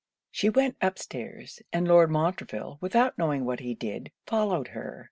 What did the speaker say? She went up stairs; and Lord Montreville, without knowing what he did, followed her.